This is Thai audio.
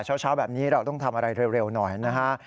เช้าแบบนี้เราต้องทำอะไรเร็วหน่อยนะฮะ